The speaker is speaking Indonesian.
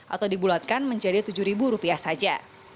atau dibulatkan menjadi rp tujuh saja